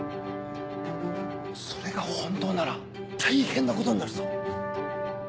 それが本当なら大変なことになるぞ！